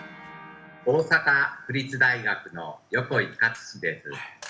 大阪府立大学の横井賀津志です。